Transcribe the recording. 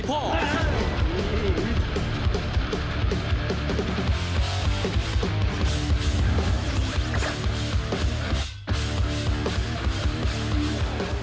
ชื่อแสนลักษมณ์งามยาว